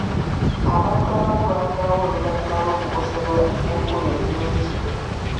Abantu abamu baavaawo oluvannyuma lw'okukosebwa enkuba ennyingi.